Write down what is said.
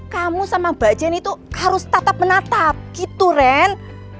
kamu sama mbak jenny tuh harus tatap menatap gitu ren